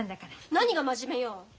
何が真面目よ。